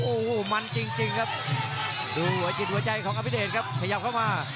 โอ้โหมันจริงจริงครับดูหัวจิตหัวใจของอภิเดชครับขยับเข้ามา